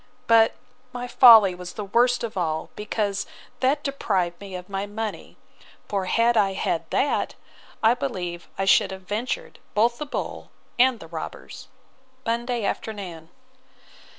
But my folly was the worst of all, because that deprived me of my money: for had I had that, I believe I should have ventured both the bull and the robbers. Monday afternoon.